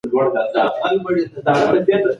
کله چي د اثر ډول معلوم سي بیا د څېړني لارې ولټوئ.